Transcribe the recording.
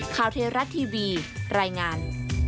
ข่าวเทราะห์ทีวีรายงาน